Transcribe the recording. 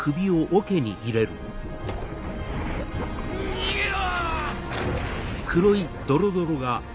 逃げろ！